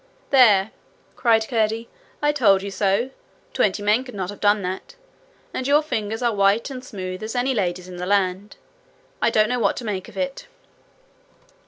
'There!' cried Curdie. 'I told you so. Twenty men could not have done that. And your fingers are white and smooth as any lady's in the land. I don't know what to make of it.'